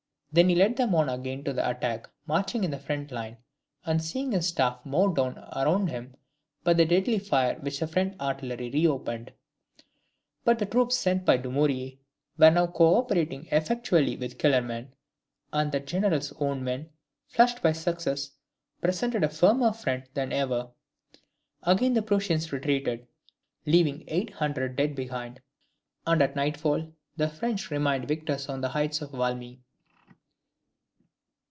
Then he led them on again to the attack marching in the front line, and seeing his staff mowed down around him by the deadly fire which the French artillery re opened. But the troops sent by Dumouriez were now co operating effectually with Kellerman, and that general's own men, flushed by success, presented a firmer front than ever. Again the Prussians retreated, leaving eight hundred dead behind, and at nightfall the French remained victors on the heights of Valmy.